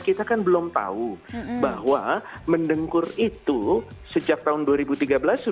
kita kan belum tahu bahwa mendengkur itu sejak tahun dua ribu tiga belas sudah dinyatakan bagi kesehatan jantung